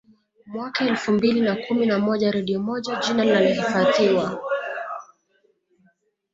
Mwaka elfu mbili na kumi na moja redio moja jina linahifadhiwa